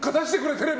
テレビ！